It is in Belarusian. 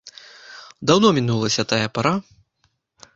Даўно мінулася тая пара.